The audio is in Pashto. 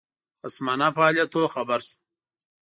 خصمانه فعالیتونو خبر شو.